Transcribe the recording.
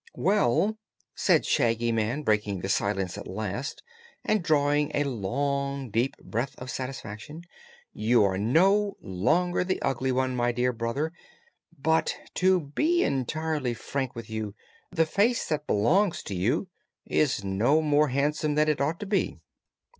"Well," said Shaggy Man, breaking the silence at last and drawing a long, deep breath of satisfaction, "you are no longer the Ugly One, my dear brother; but, to be entirely frank with you, the face that belongs to you is no more handsome than it ought to be."